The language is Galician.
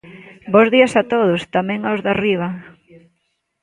Bos días a todos, tamén aos de arriba.